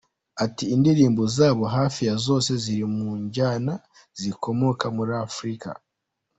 Ati “Indirimbo zabo hafi ya zose ziri mu njyana zikomoka muri Afurika.